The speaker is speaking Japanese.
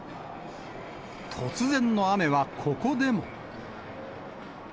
突然の雨は、ここでも。